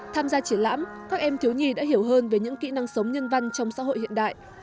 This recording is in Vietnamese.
tham gia triển lãm các em thiếu nhi đã hiểu hơn về những kỹ năng sống nhân văn trong xã hội hiện đại